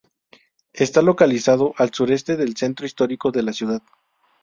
Está localizado al sureste del centro histórico de la ciudad.